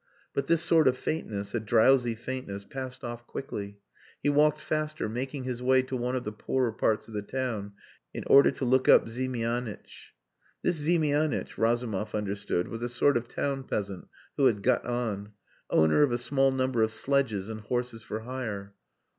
But this sort of faintness a drowsy faintness passed off quickly. He walked faster, making his way to one of the poorer parts of the town in order to look up Ziemianitch. This Ziemianitch, Razumov understood, was a sort of town peasant who had got on; owner of a small number of sledges and horses for hire.